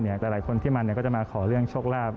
แต่หลายคนที่มาก็จะมาขอเรื่องโชคลาภ